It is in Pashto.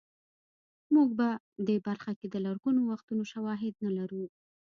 موږ په دې برخه کې د لرغونو وختونو شواهد نه لرو